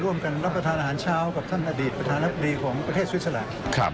ร่วมกันรับประทานอาหารเช้ากับท่านอดีตประธานับดีของประเทศสวิทยาลักษณ์